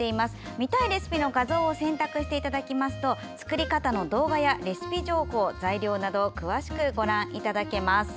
見たいレシピの画像を選択していただきますと作り方の動画やレシピ情報材料などを詳しくご覧いただけます。